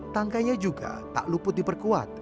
tangkainya juga tak luput diperkuat